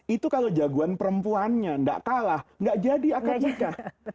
itu kalau jagoan perempuannya tidak kalah nggak jadi akad nikah